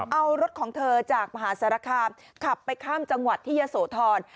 เอารถของเธอจากมหาสารคามขับไปข้ามจังหวัดที่ยะโสธร